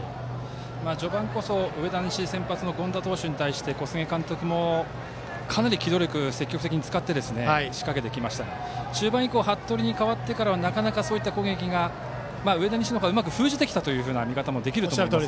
序盤こそ上田西先発の権田投手に対して小菅監督もかなり機動力を積極的に使ってしかけてきましたが中盤以降、服部に代わってからは上田西の方が封じてきたという見方もできるかもしれません。